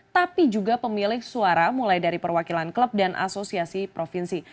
tapi juga pemilik suara mulai dari perwakilan klub dan asosiasi provinsi